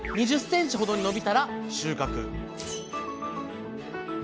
２０ｃｍほどに伸びたら収穫